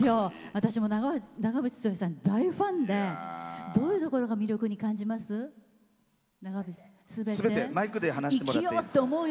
私も長渕剛さん、大ファンでどういうところがすべて。